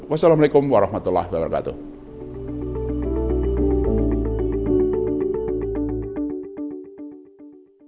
wassalamu alaikum warahmatullahi wabarakatuh